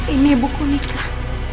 ini buku nikah